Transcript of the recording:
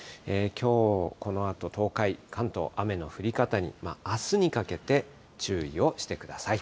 きょうこのあと、東海、関東、雨の降り方に、あすにかけて、注意をしてください。